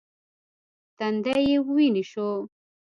تندی یې ویني شو .